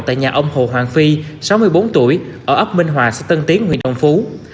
tại nhà ông hồ hoàng phi sáu mươi bốn tuổi ở ấp minh hòa xã tân tiến huyện đồng phú